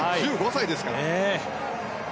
１５歳ですからね。